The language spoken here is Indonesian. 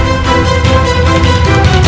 kekuasaan sentral lampu berubah